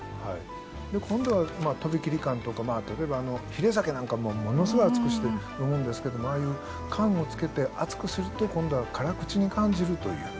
今度は飛び切り燗とか例えばひれ酒なんかもものすごい熱くして飲むんですけどもああいう燗をつけて熱くすると今度は辛口に感じるという。